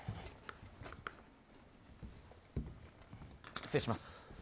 失礼します。